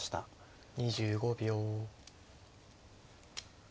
２５秒。